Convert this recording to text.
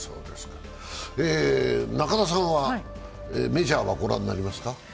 中田さんはメジャーはご覧になりますか？